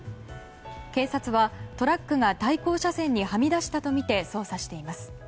警察はトラックが対向車線にはみ出したとみて捜査しています。